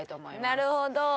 なるほど。